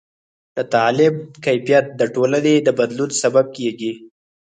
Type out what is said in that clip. د تعلیم کیفیت د ټولنې د بدلون سبب کېږي.